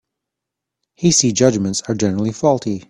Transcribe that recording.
Hasty judgements are generally faulty.